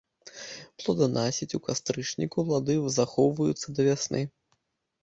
Плоданасіць у кастрычніку, плады захоўваюцца да вясны.